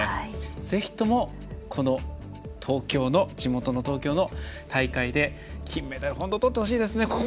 ぜひともこの地元の東京の大会で金メダル、とってほしいですね。